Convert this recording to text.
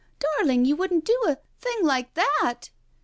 Darling, you wouldn't do a — ^thing like that!"